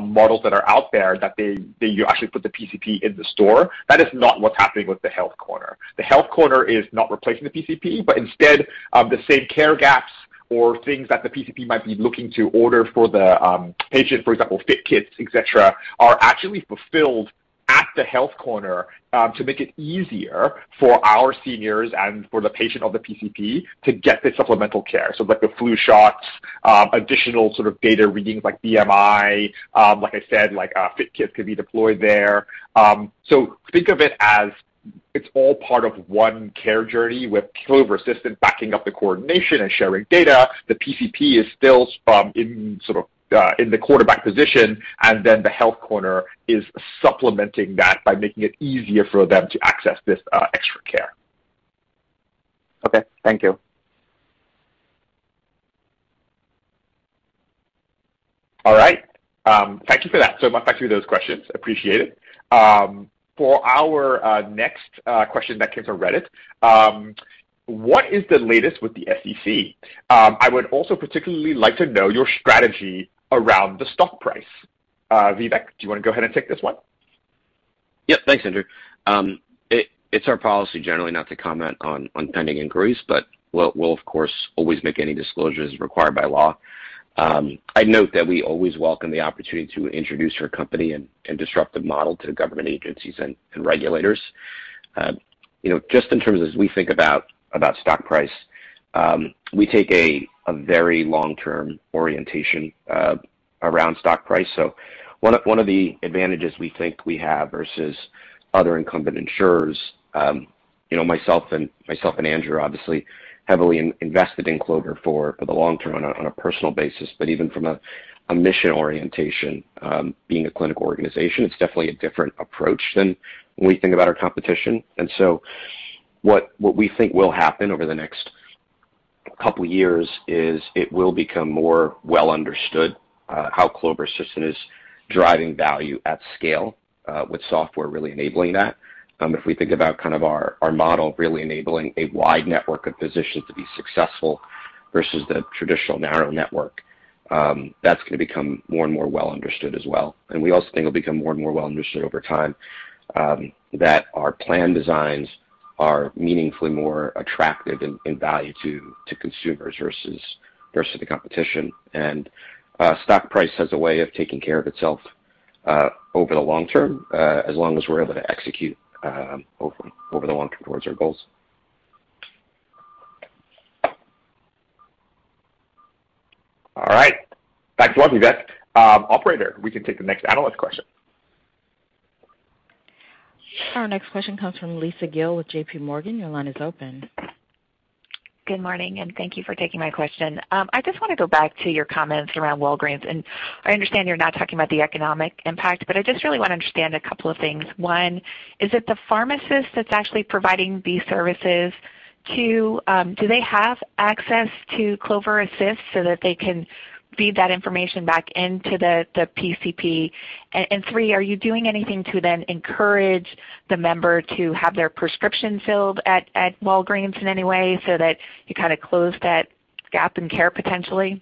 S4: models that are out there, that you actually put the PCP in the store. That is not what's happening with the Health Corner. The Health Corner is not replacing the PCP, but instead, the same care gaps or things that the PCP might be looking to order for the patient, for example, FIT kits, et cetera, are actually fulfilled at the Health Corner to make it easier for our seniors and for the patient of the PCP to get the supplemental care. Like the flu shots, additional data readings like BMI, like I said, a FIT kit could be deployed there. Think of it as it's all part of one care journey with Clover Assistant backing up the coordination and sharing data. The PCP is still in the quarterback position, and then the Health Corner is supplementing that by making it easier for them to access this extra care.
S7: Okay. Thank you.
S4: All right. Thank you for that. Much for those questions. Appreciate it. For our next question that came from Reddit, what is the latest with the SEC? I would also particularly like to know your strategy around the stock price. Vivek, do you want to go ahead and take this one?
S3: Thanks, Andrew. It's our policy generally not to comment on pending inquiries, but we'll, of course, always make any disclosures required by law. I'd note that we always welcome the opportunity to introduce our company and disruptive model to government agencies and regulators. Just in terms as we think about stock price, we take a very long-term orientation around stock price. One of the advantages we think we have versus other incumbent insurers, myself and Andrew obviously heavily invested in Clover for the long term on a personal basis, but even from a mission orientation, being a clinical organization, it's definitely a different approach than when we think about our competition. What we think will happen over the next couple years is it will become more well understood how Clover Assistant is driving value at scale, with software really enabling that. If we think about our model really enabling a wide network of physicians to be successful versus the traditional narrow network, that's going to become more and more well understood as well. We also think it'll become more and more well understood over time that our plan designs are meaningfully more attractive in value to consumers versus the competition. Stock price has a way of taking care of itself over the long term, as long as we're able to execute over the long term towards our goals.
S4: All right. Operator, we can take the next analyst question.
S1: Sure. Our next question comes from Lisa Gill with JPMorgan. Your line is open.
S8: Good morning, thank you for taking my question. I just want to go back to your comments around Walgreens, I understand you're not talking about the economic impact, I just really want to understand a couple of things. One, is it the pharmacist that's actually providing these services? Two, do they have access to Clover Assistant so that they can feed that information back into the PCP? Three, are you doing anything to then encourage the member to have their prescription filled at Walgreens in any way so that you close that gap in care potentially?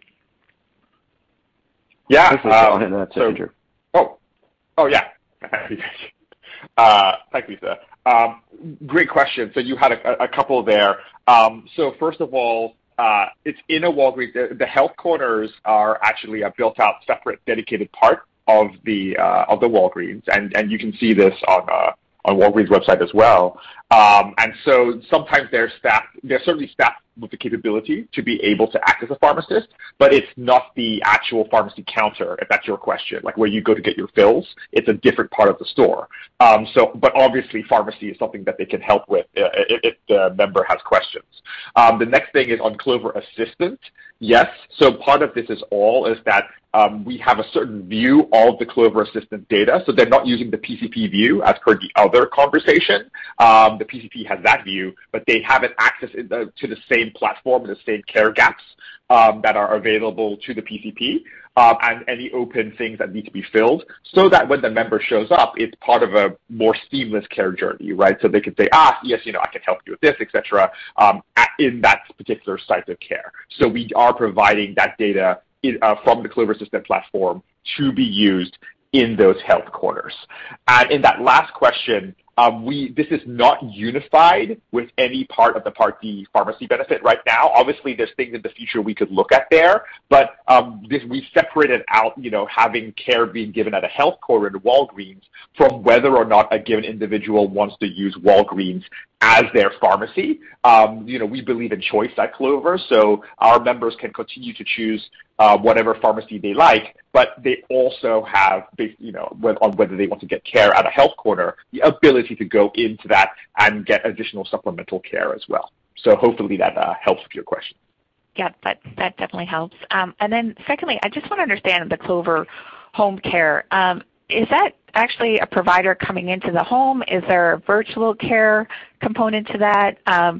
S4: Yeah. Oh, yeah. Thank you, sir. Great question. You had a couple there. First of all, it's in a Walgreens. The Health Corners are actually a built-out separate, dedicated part of the Walgreens, and you can see this on Walgreens' website as well. Sometimes they're certainly staffed with the capability to be able to act as a pharmacist, but it's not the actual pharmacy counter, if that's your question, like where you go to get your fills. It's a different part of the store. Obviously pharmacy is something that they can help with if the member has questions. The next thing is on Clover Assistant. Yes. Part of this all is that, we have a certain view of the Clover Assistant data, so they're not using the PCP view as per the other conversation. The PCP has that view, but they have an access to the same platform, the same care gaps, that are available to the PCP, and any open things that need to be filled, so that when the member shows up, it's part of a more seamless care journey, right? They can say, "Yes, I can help you with this," et cetera in that particular cycle of care. We are providing that data from the Clover Assistant platform to be used in those Health Corners. That last question, this is not unified with any part of the Part D pharmacy benefit right now. Obviously, there's things in the future we could look at there, but we separated out having care being given at a health corner in Walgreens from whether or not a given individual wants to use Walgreens as their pharmacy. We believe in choice at Clover, our members can continue to choose whatever pharmacy they like, but they also have the, on whether they want to get care at a health corner, the ability to go into that and get additional supplemental care as well. Hopefully that helps with your question.
S8: Yeah. That definitely helps. Secondly, I just want to understand the Clover Home Care. Is that actually a provider coming into the home? Is there a virtual care component to that? How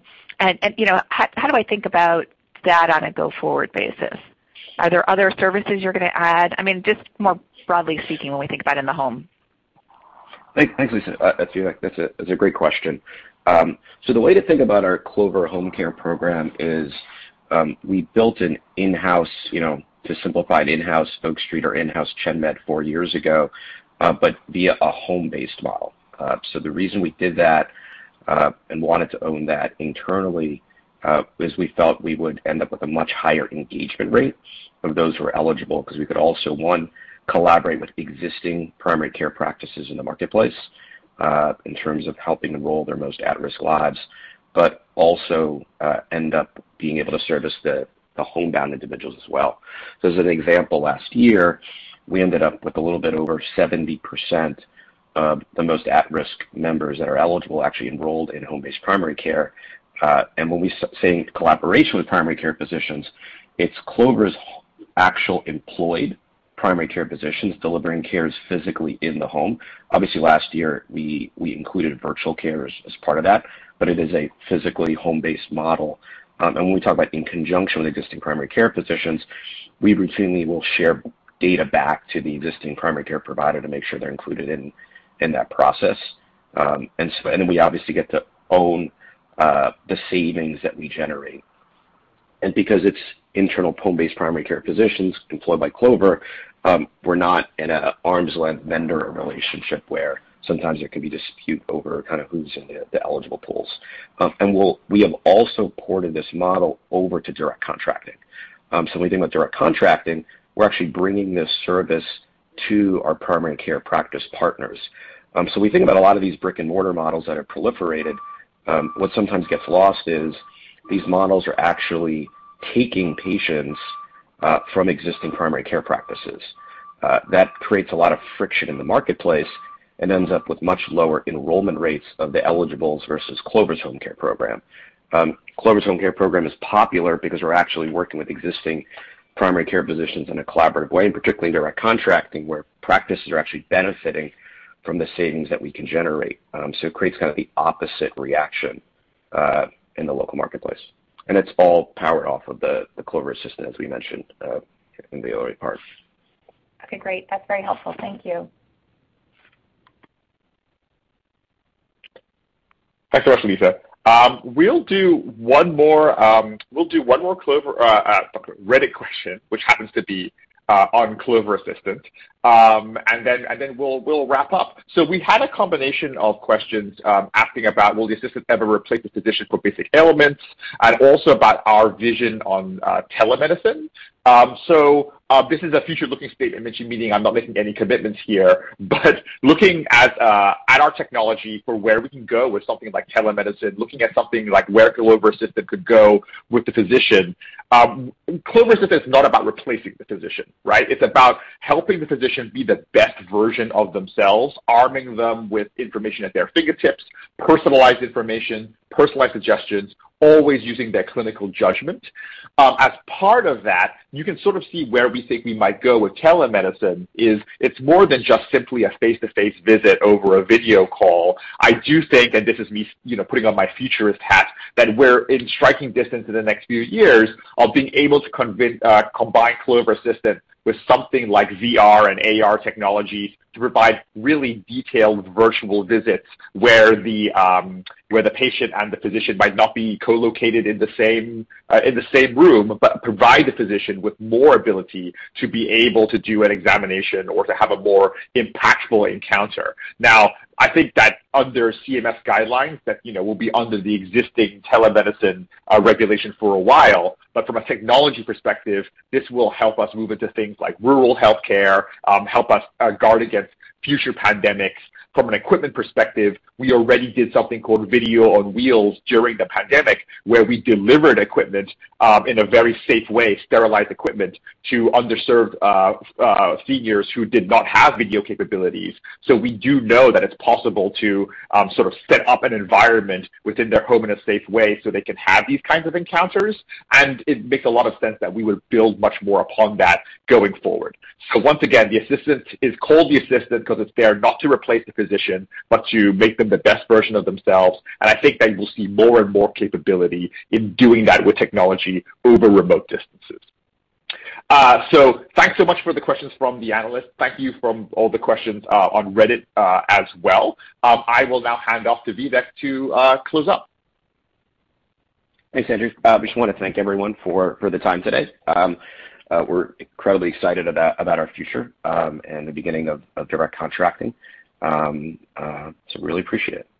S8: do I think about that on a go-forward basis? Are there other services you're going to add? Just more broadly speaking, when we think about in the home.
S3: Thanks, Lisa. I feel like that's a great question. The way to think about our Clover Home Care program is, we built an in-house, to simplify, an in-house Oak Street or in-house ChenMed four years ago, but via a home-based model. The reason we did that, and wanted to own that internally, is we felt we would end up with a much higher engagement rate of those who are eligible because we could also, one, collaborate with existing primary care practices in the marketplace, in terms of helping enroll their most at-risk lives, but also, end up being able to service the homebound individuals as well. As an example, last year, we ended up with a little bit over 70% of the most at-risk members that are eligible actually enrolled in home-based primary care. When we say in collaboration with primary care physicians, it's Clover's actual employed primary care physicians delivering care physically in the home. Obviously, last year, we included virtual care as part of that, but it is a physically home-based model. When we talk about in conjunction with existing primary care physicians, we routinely will share data back to the existing primary care provider to make sure they're included in that process. We obviously get to own the savings that we generate. Because it's internal home-based primary care physicians employed by Clover, we're not in an arm's-length vendor relationship where sometimes there can be dispute over who's in the eligible pools. We have also ported this model over to direct contracting. When we think about direct contracting, we're actually bringing this service to our primary care practice partners. We think that a lot of these brick-and-mortar models that have proliferated, what sometimes gets lost is these models are actually taking patients from existing primary care practices. That creates a lot of friction in the marketplace and ends up with much lower enrollment rates of the eligibles versus Clover Home Care program. Clover Home Care program is popular because we're actually working with existing primary care physicians in a collaborative way, particularly direct contracting, where practices are actually benefiting from the savings that we can generate. It creates kind of the opposite reaction in the local marketplace, and it's all powered off of the Clover Assistant, as we mentioned in the OA part.
S8: Okay, great. That's very helpful. Thank you.
S4: Excellent, Lisa. We'll do one more Reddit question, which happens to be on Clover Assistant, and then we'll wrap up. We had a combination of questions, asking about will the assistant ever replace the physician for basic elements, and also about our vision on telemedicine. This is a future-looking statement, which means I'm not making any commitments here, but looking at our technology for where we can go with something like telemedicine, looking at something like where Clover Assistant could go with the physician. Clover Assistant is not about replacing the physician, right? It's about helping the physician be the best version of themselves, arming them with information at their fingertips, personalized information, personalized suggestions, always using their clinical judgment. As part of that, you can sort of see where we think we might go with telemedicine is it's more than just simply a face-to-face visit over a video call. I do think, and this is me putting on my futurist hat, that we're in striking distance in the next few years of being able to combine Clover Assistant with something like VR and AR technology to provide really detailed virtual visits where the patient and the physician might not be co-located in the same room, but provide the physician with more ability to be able to do an examination or to have a more impactful encounter. I think that under CMS guidelines, that will be under the existing telemedicine regulation for a while. From a technology perspective, this will help us move into things like rural healthcare, help us guard against future pandemics. From an equipment perspective, we already did something called Video on Wheels during the pandemic, where we delivered equipment in a very safe way, sterilized equipment, to underserved seniors who did not have video capabilities. We do know that it's possible to sort of set up an environment within their home in a safe way so they can have these kinds of encounters, and it makes a lot of sense that we would build much more upon that going forward. Once again, the Assistant is called the Assistant because it's there not to replace the physician, but to make them the best version of themselves, and I think that you'll see more and more capability in doing that with technology over remote distances. Thanks so much for the questions from the analysts. Thank you for all the questions on Reddit as well. I will now hand off to Vivek to close up.
S3: Thanks Andrew. I just want to thank everyone for the time today. We're incredibly excited about our future, and the beginning of direct contracting. We really appreciate it.